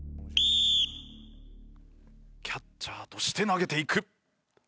キャッチャーとして投げていく。